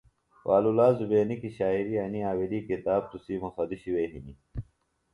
پالولا زُبینی کیۡ شاعری انیۡ آویلی کتاب تُسی مُخدوشیۡ وے ہِنیۡ۔